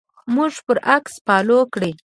موږ پر اکس فالو کړئ